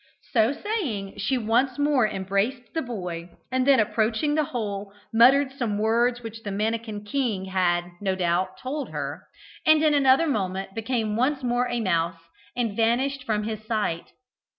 So saying, she once more embraced the boy, and then, approaching the hole, muttered some words which the mannikin king had, no doubt, told her, and in another moment became once more a mouse, and vanished from his sight.